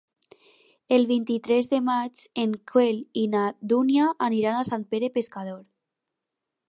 El vint-i-tres de maig en Quel i na Dúnia aniran a Sant Pere Pescador.